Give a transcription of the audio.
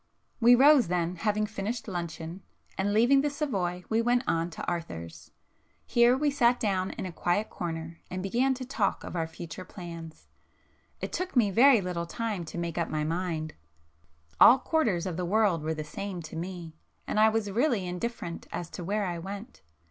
We rose then, having finished luncheon, and leaving the Savoy we went on to Arthur's. Here we sat down in a quiet corner and began to talk of our future plans. It took me very little time to make up my mind,—all quarters of the world were the same to me, and I was really indifferent as to where I went.